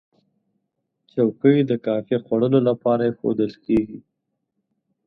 چوکۍ د کافي خوړلو لپاره ایښودل کېږي.